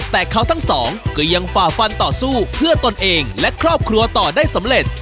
แต่เขาทั้งสองก็ยังฝ่าฟันต่อสู้เพื่อตนเองและครอบครัวต่อได้สำเร็จ